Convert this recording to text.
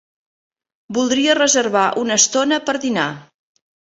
Voldria reservar una estona per dinar.